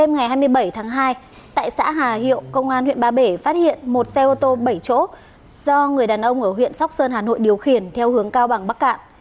ngày hai mươi bảy tháng hai tại xã hà hiệu công an huyện ba bể phát hiện một xe ô tô bảy chỗ do người đàn ông ở huyện sóc sơn hà nội điều khiển theo hướng cao bằng bắc cạn